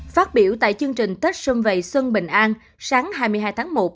phát biểu tại chương trình tết xuân vầy xuân bình an sáng hai mươi hai tháng một